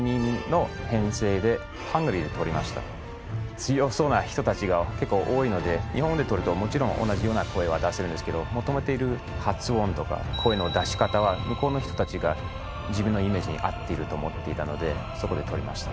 強そうな人たちが結構多いので日本で録るともちろん同じような声は出せるんですけど求めている発音とか声の出し方は向こうの人たちが自分のイメージに合っていると思っていたのでそこで録りました。